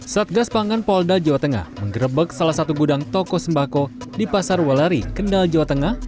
satgas pangan polda jawa tengah mengerebek salah satu gudang toko sembako di pasar weleri kendal jawa tengah